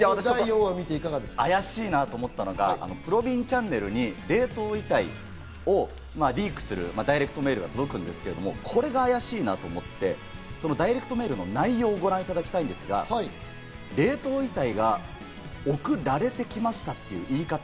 あやしいなと思ったのがぷろびんチャンネルに冷凍遺体をリークするダイレクトメールが届くんですけど、これがあやしいなと思ってダイレクトメールの内容をご覧いただきたいんですが、冷凍遺体が送られてきましたという言い方。